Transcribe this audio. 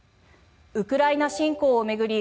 ウクライナ侵攻を巡り